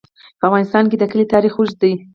په افغانستان کې د کلي تاریخ اوږد دی.